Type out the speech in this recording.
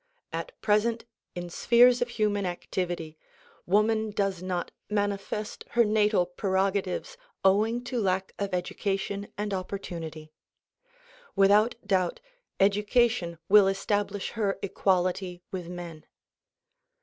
At present in spheres of human activity woman does not manifest her natal prerogatives owing to lack of education and opportunity. Without doubt education will estab lish her equality with men.